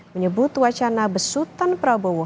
menyebut wacana besutan prabowo